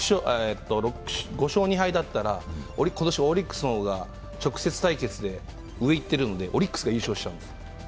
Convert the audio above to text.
５勝２敗だったら、今年、オリックスの方が直接対決で上に行っているので、オリックスが優勝しちゃうんです。